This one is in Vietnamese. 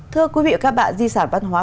thưa quý vị và các bạn di sản văn hóa